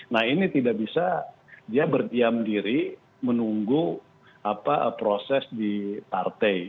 nah ini tidak bisa dia berdiam diri menunggu proses di partai